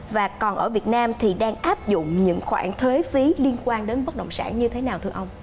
và còn ở việt nam thì đang áp dụng những khoản thuế phí liên quan đến bất động sản như thế nào thưa ông